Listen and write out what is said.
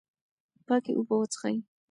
پاکې اوبه وڅښئ.